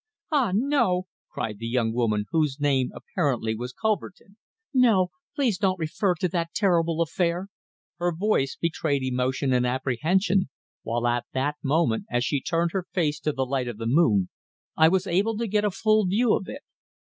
"Ah! no!" cried the young woman, whose name apparently was Cullerton. "No! Please don't refer to that terrible affair!" Her voice betrayed emotion and apprehension, while at that moment, as she turned her face to the light of the moon, I was able to get a full view of it.